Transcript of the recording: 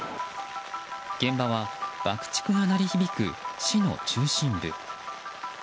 現場は爆竹が鳴り響く市の中心部。